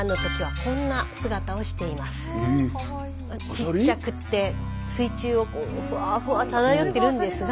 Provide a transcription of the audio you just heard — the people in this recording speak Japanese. ちっちゃくって水中をフワフワ漂ってるんですが。